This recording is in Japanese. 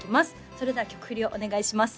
それでは曲振りをお願いします